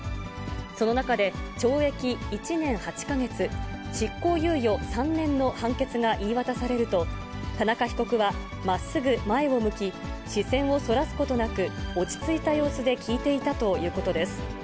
その中で、懲役１年８か月、執行猶予３年の判決が言い渡されると、田中被告はまっすぐ前を向き、視線をそらすことなく、落ち着いた様子で聞いていたということです。